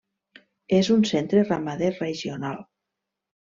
És un centre ramader regional.